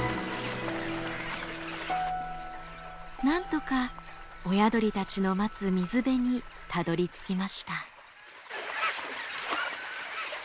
なんとか親鳥たちの待つ水辺にたどりつきました。